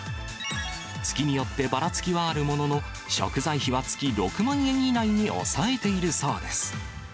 月によってばらつきはあるものの、食材費は月６万円以内に抑えているそうです。